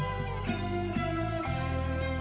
engkau luar biasa